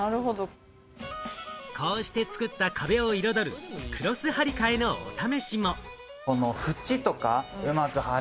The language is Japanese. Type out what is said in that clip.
こうして作った壁を彩るクロス張り替えのお試しも。